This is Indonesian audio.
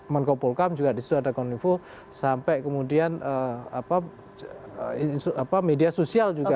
menko polkam juga disitu ada kominfo sampai kemudian media sosial juga